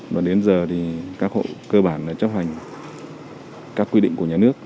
và đến giờ thì các hộ cơ bản là chấp hành các quy định của nhà nước